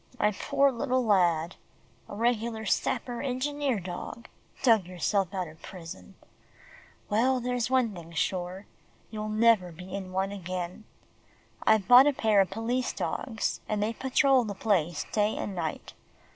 "My poor little lad a regular sapper, engineer dog dug yourself out of prison. Well, there's one thing sure. You'll never be in one again. I've bought a pair of police dogs, and they patrol the place day and night.